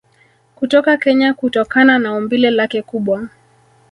kutoka Kenya kutokana na umbile lake kubwa